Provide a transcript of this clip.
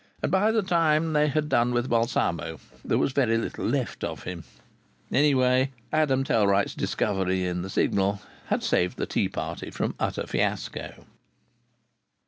And by the time they had done with Balsamo there was very little left of him. Anyhow, Adam Tellwright's discovery in the Signal had saved the tea party from utter fiasco.